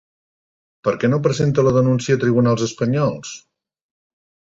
Per què no presenta la denúncia a tribunals espanyols?